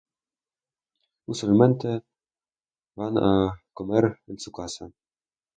Usualmente van a comer en su casa.